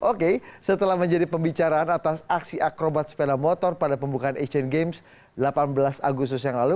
oke setelah menjadi pembicaraan atas aksi akrobat sepeda motor pada pembukaan asian games delapan belas agustus yang lalu